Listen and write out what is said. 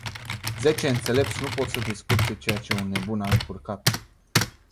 Zece înțelepți nu pot să descurce ceea ce un nebun a încurcat.